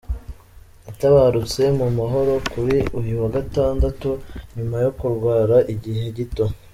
"Yatabarutse mu mahoro kuri uyu wa gatandatu nyuma yo kurwara igihe gito.